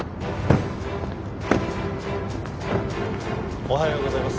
おはようございます。